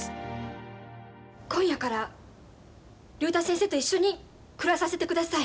今夜から竜太先生と一緒に暮らさせてください！